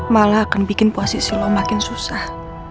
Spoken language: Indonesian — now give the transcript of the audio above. malah akan bikin posisi lo makin susah